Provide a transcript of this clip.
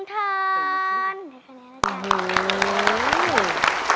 ในคะแนนล่ะจ๊ะ